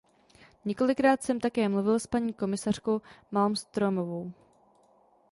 Několikrát jsem také mluvil s paní komisařkou Malmströmovou.